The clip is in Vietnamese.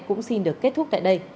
cũng xin được kết thúc tại đây